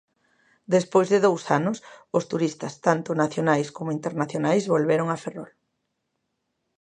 Despois de dous anos, os turistas, tanto nacionais como internacionais, volveron a Ferrol.